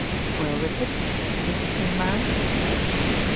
"Well, Richard, is it the same man?"